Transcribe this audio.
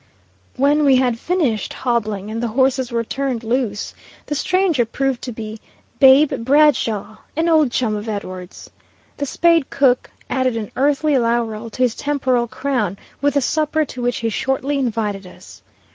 When we had finished hobbling, and the horses were turned loose, the stranger proved to be "Babe" Bradshaw, an old chum of Edwards's. The Spade cook added an earthly laurel to his temporal crown with the supper to which he shortly invited us.